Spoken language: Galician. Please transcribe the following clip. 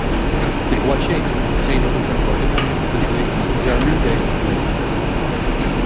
De igual xeito, as eivas do transporte público prexudican especialmente a estes colectivos.